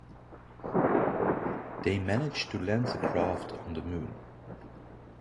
They manage to land the craft on the Moon.